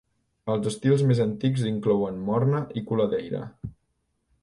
Els estils més antics inclouen "morna" i "coladeira".